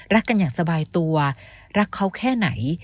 กันอย่างสบายตัวรักเขาแค่ไหน